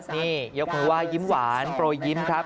นี่ยกคุณว่ายิ้มหวานโปรยิ้มครับ